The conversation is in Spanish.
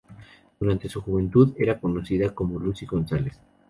Durante su juventud era conocida como Lucy González.